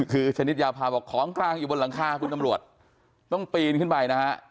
คือชนิดยาพาบอกของกลางอยู่บนหลังคาคุณตำรวจต้องปีนขึ้นไปนะฮะ